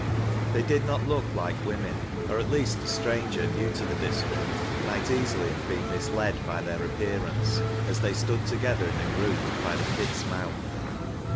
They did not look like women, or at least a stranger new to the district might easily have been misled by theii appearance, as they stood together in a group, by the pit'e mouth.